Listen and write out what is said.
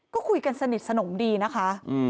ก็คุยกันสนิทสนมดีนะคะ